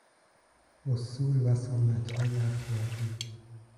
اصول و سنتهای اخلاقی